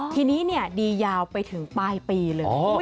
ทีนี้เนี่ยดียาวไปถึงปลายปีเลยอ๋อ